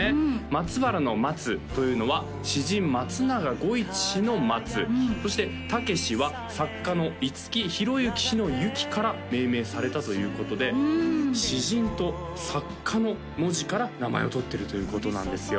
松原の松というのは詩人松永伍一氏の松そして健之は作家の五木寛之氏の之から命名されたということで詩人と作家の文字から名前をとってるということなんですよ